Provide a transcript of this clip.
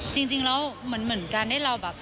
จริงแล้วเหมือนการที่เราแบบ